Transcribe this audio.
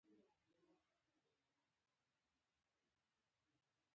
مولوي وايي چې انسان په لومړي سر کې ډوډۍ غم اخیستی وي.